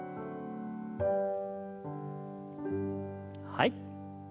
はい。